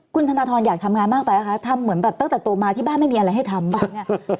คุณธนทรอยากทำงานมากไปป่ะคะทำเหมือนแบบตั้งแต่โตมาที่บ้านไม่มีอะไรให้ทำเนี่ย